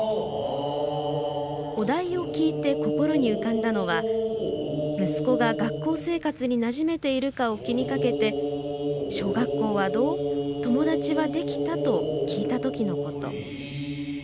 お題を聞いて心に浮かんだのは息子が学校生活になじめているかを気にかけて「小学校はどう？友達はできた？」と聞いた時のこと。